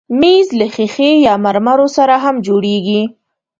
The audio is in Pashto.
مېز له ښیښې یا مرمرو سره هم جوړېږي.